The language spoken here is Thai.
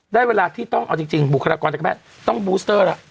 ได้เวลาที่ต้องเอาจริงบุคลากรจากแพทย์ต้องบูสเตอร์แล้ว